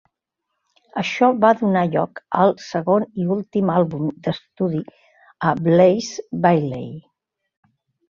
Això va donar lloc al segon i últim àlbum d'estudi a Blaze Bayley.